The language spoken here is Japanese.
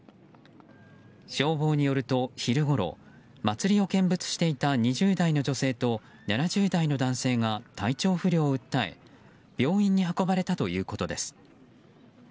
消防によると昼ごろ祭りを見物していた２０代の女性と７０代の男性が体調不良を訴え病院に運ばれたということです。